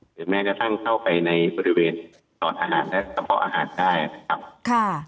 หรือแม้จะสร้างเข้าไปในบริเวณสอดอาหารและสะเพาะอาหารได้นะครับ